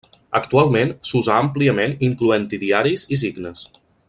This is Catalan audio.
Actualment s'usa àmpliament, incloent-hi diaris i signes.